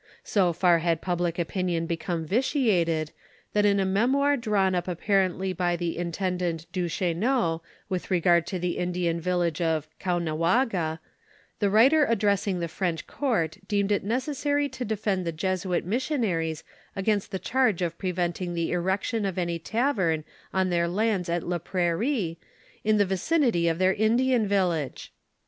So far had {.iiblio opinion become vitiated, that in a memoir drawn up apparently by (he intendant Duchesneau with regard to the Indian village of Caughnawaga, the writer addressing the French court, deemed it necessary to defend the Jesuit missionaries against the charge of preventing the erection of ar^ tavern on their lands at Laprairie, in the vicinity of their Indian village!